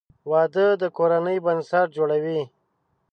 • واده د کورنۍ بنسټ جوړوي.